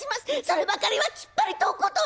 そればかりはきっぱりとお断り」。